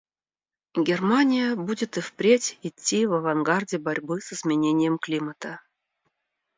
Германия будет и впредь идти в авангарде борьбы с изменением климата.